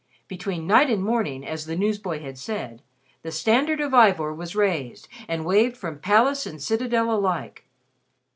Between night and morning, as the newsboy had said, the standard of Ivor was raised and waved from palace and citadel alike.